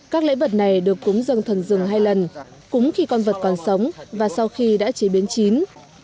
các lễ vật này được cúng dâng thần rừng hai lần cúng khi con vật còn sống và sau khi đã chế biến chín